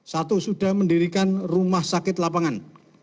satu sudah mendirikan rumah sakit lapangan